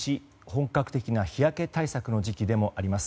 本格的な日焼け対策の時期でもあります。